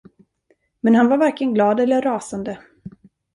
Men han var varken glad eller rasande.